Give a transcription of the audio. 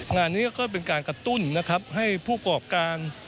งานนี้ก็เป็นการกระตุ้นให้ผู้กรอบการ